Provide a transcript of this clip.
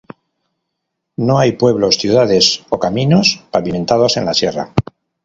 No hay pueblos, ciudades o caminos pavimentados en la Sierra.